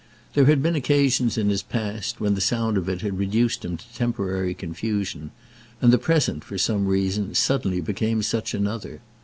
There had been occasions in his past when the sound of it had reduced him to temporary confusion, and the present, for some reason, suddenly became such another.